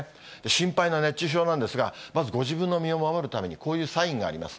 心配な熱中症なんですが、まずご自分の身を守るために、こういうサインがあります。